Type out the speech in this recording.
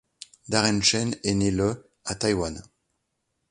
Darren Chen est né le à Taïwan.